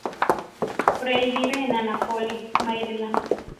Frey vive en Annapolis, Maryland.